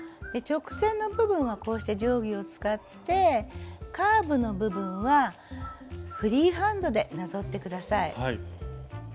直線の部分はこうして定規を使ってカーブの部分はフリーハンドでなぞって下さい。